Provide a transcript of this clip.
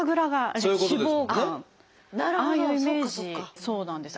ああいうイメージそうなんですよ。